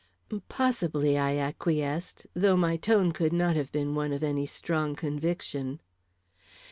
"Possibly," I acquiesced, though my tone could not have been one of any strong conviction.